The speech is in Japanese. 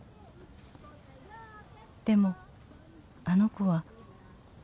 「でもあの子は」